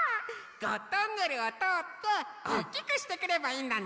ゴットンネルをとおっておおきくしてくればいいんだね！